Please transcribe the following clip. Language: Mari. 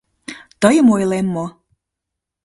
— Тыйым ойлем мо!..